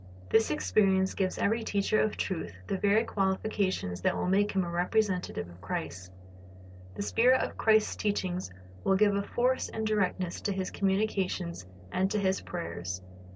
This experience gives every teacher of truth the very qualifications that will make him a representative of Christ. The spirit of Christ's teaching will give a force and directness to his communications and to his prayers.